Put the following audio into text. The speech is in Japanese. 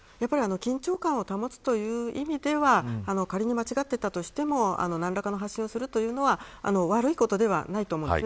緊張感を保つという意味では仮に間違っていたとしても何らかの発信をするというのは悪いことではないと思います。